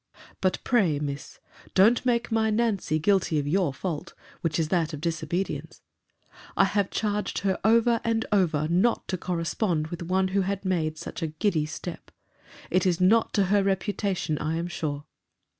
— But pray, Miss, don't make my Nancy guilt of your fault; which is that of disobedience. I have charged her over and over not to correspond with one who had made such a giddy step. It is not to her reputation, I am sure.